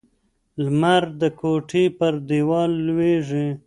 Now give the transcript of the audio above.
لمر د کوټې پر دیوال لوېږي.